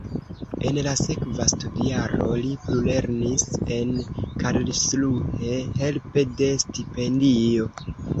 En la sekva studjaro li plulernis en Karlsruhe helpe de stipendio.